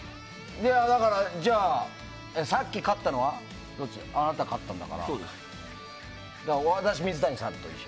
じゃあ、さっき勝ったのはあなたが勝ったんだから私が水谷さんと一緒。